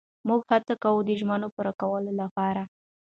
موږ هڅه کوو د ژمنو پوره کولو لپاره.